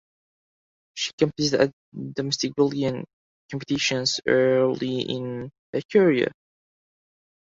She competed at domestic Belgian competitions early in her career.